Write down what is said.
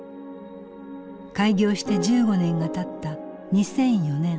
開業して１５年がたった２００４年。